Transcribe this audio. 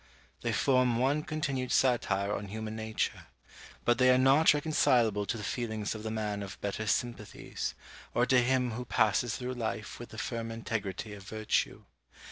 They form one continued satire on human nature; but they are not reconcilable to the feelings of the man of better sympathies, or to him who passes through life with the firm integrity of virtue.